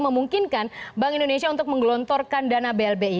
memungkinkan bank indonesia untuk menggelontorkan dana blbi